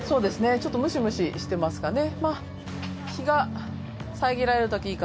ちょっとムシムシしてますかね。